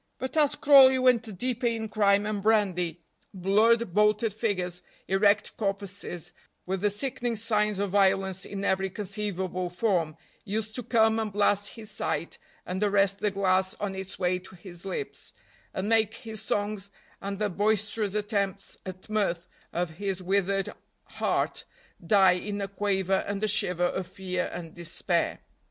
But as Crawley went deeper in crime and brandy, blood boltered figures, erect corpses, with the sickening signs of violence in every conceivable form, used to come and blast his sight and arrest the glass on its way to his lips, and make his songs and the boisterous attempts at mirth of his withered heart die in a quaver and a shiver of fear and despair.